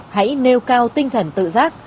hãy nêu cao tinh thần tự giác